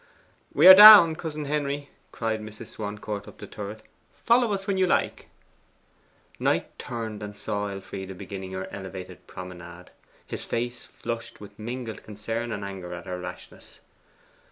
'We are down, cousin Henry,' cried Mrs. Swancourt up the turret. 'Follow us when you like.' Knight turned and saw Elfride beginning her elevated promenade. His face flushed with mingled concern and anger at her rashness.